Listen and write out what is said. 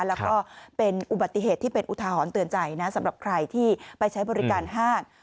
แล้วก็เป็นอุบัติเหตุที่เป็นอุทาหรณ์เตือนใจนะสำหรับใครที่ไปใช้บริการห้าง